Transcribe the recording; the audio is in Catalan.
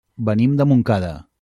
Venim de Montcada.